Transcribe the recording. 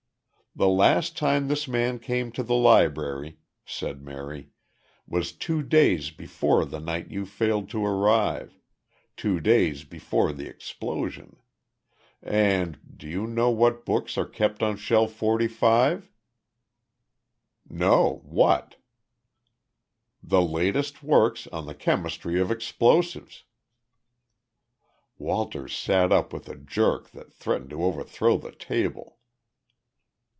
"The last time this man came to the Library," said Mary, "was two days before the night you failed to arrive two days before the explosion. And Do you know what books are kept on Shelf Forty five?" "No. What?" "The latest works on the chemistry of explosives!" Walters sat up with a jerk that threatened to overthrow the table.